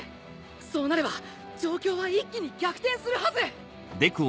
そうなれば状況は一気に逆転するはず！